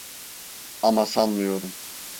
Ama sanmıyorum.